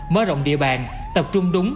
mới rộng địa bàn tập trung đúng